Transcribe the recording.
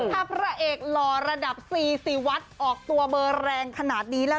ถ้าพระเอกหล่อระดับซีซีวัดออกตัวเบอร์แรงขนาดนี้แล้ว